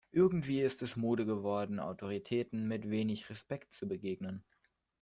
Irgendwie ist es Mode geworden, Autoritäten mit wenig Respekt zu begegnen.